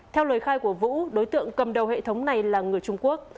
theo lời khai của vũ đối tượng cầm đầu hệ thống này là người trung quốc